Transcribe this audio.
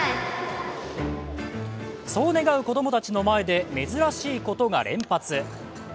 そう願う子供たちの前で珍しいことが連発。